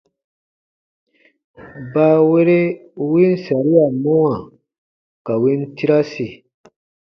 Baawere u win saria mɔwa ka win tirasi.